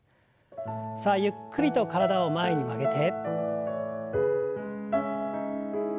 さあゆっくりと体を前に曲げて。